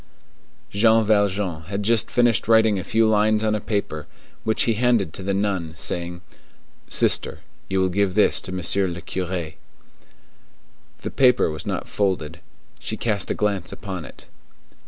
Jean Valjean had just finished writing a few lines on a paper, which he handed to the nun, saying, "Sister, you will give this to Monsieur le Curé." The paper was not folded. She cast a glance upon it.